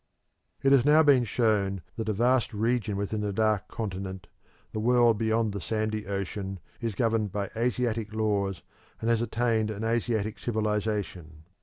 It has now been shown that a vast region within the Dark Continent, the world beyond the sandy ocean, is governed by Asiatic laws and has attained an Asiatic civilisation.